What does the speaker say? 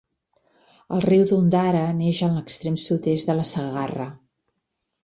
El riu d'Ondara neix en l'extrem sud-est de la Segarra.